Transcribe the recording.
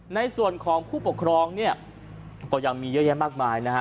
ในส่วนของผู้ปกครองเนี่ยก็ยังมีเยอะแยะมากมายนะฮะ